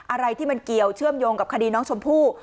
อะไรที่มันเกี่ยวเชื่อมโยงกับคดีน้องชมพู่